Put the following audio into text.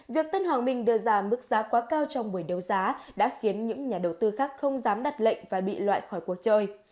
việc tân hoàng minh đưa ra mức giá quá cao trong buổi đấu giá đã khiến những nhà đầu tư khác không dám đặt lệnh và bị loại khỏi cuộc chơi